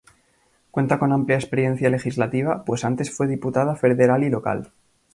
Cuenta con amplia experiencia legislativa, pues antes fue diputada federal y local.